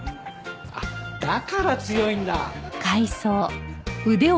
あっだから強いんだ！